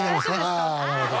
あぁなるほど。